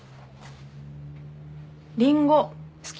リンゴ好き？